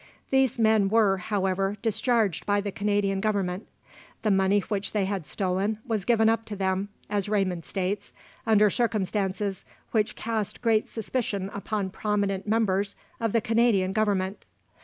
These men were, however, discharged by the Canadian Government; the money which they had stolen was given up to them, as Raymond states, "under circumstances which cast great suspicion upon prominent members of the Canadian Government."